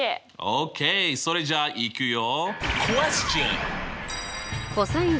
ＯＫそれじゃあいくよ。